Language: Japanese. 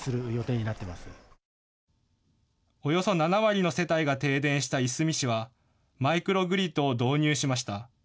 およそ７割の世帯が停電したいすみ市はマイクログリッドを導入しました。